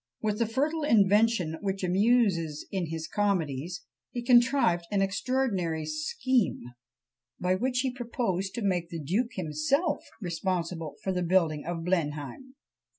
With the fertile invention which amuses in his comedies, he contrived an extraordinary scheme, by which he proposed to make the duke himself responsible for the building of Blenheim!